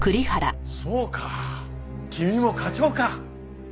そうか君も課長か。